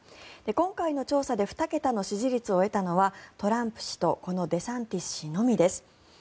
今回の調査で２桁の支持率を得たのはトランプ氏とこのデサンティス氏のみです。